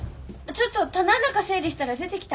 ちょっと棚ん中整理したら出て来た。